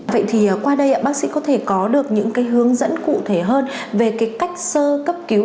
vậy thì qua đây bác sĩ có thể có được những cái hướng dẫn cụ thể hơn về cái cách sơ cấp cứu